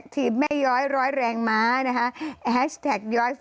ทีมไม่ย้อยร้อยแรงม้านะคะ